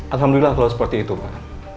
alhamdulillah kalau seperti itu pak